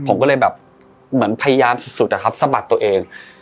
ผมก็เลยแบบเหมือนพยายามสุดอะครับสะบัดตัวเอง